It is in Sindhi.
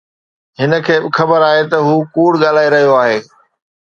هن کي به خبر آهي ته هو ڪوڙ ڳالهائي رهيو آهي